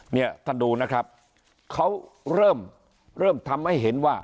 เนี่ยถ้าดูนะครับเขาเริ่มทำให้เห็นว่า